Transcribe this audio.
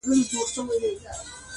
له مُسکۍ ښکلي مي خولګۍ غوښته-